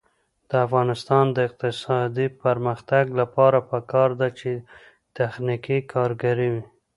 د افغانستان د اقتصادي پرمختګ لپاره پکار ده چې تخنیکي کارګر وي.